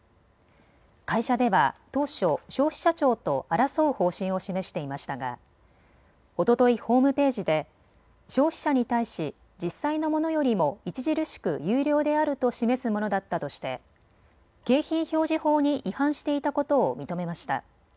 会社では当初、消費者庁と争う方針を示していましたがおとといホームページで消費者に対し実際のものよりも著しく優良であると示すものだったとして景品表示法に違反していたことを認めました。